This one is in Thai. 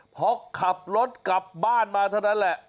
พอขับรถกลับบ้านมาเท่านั้นแหละ